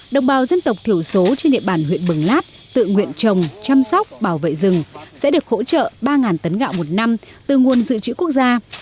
đồng bào dân tộc thiểu số trên địa bàn huyện mường lát tự nguyện trồng chăm sóc bảo vệ rừng sẽ được hỗ trợ ba tấn gạo một năm từ nguồn dự trữ quốc gia